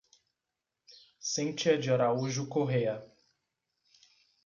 Cinthia de Araújo Correa